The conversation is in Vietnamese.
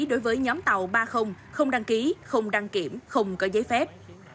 đối với nhóm tàu ba không đăng ký không đăng kiểm không có giấy phép